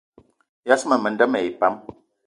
Yas ma menda mayi pam